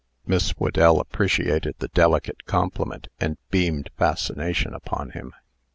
Miss Whedell appreciated the delicate compliment, and beamed fascination upon him.